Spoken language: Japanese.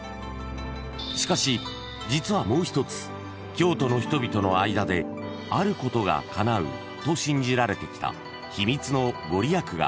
［しかし実はもう一つ京都の人々の間であることがかなうと信じられてきた秘密の御利益があるんです］